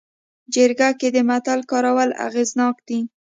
جرګه کې د متل کارول اغېزناک دي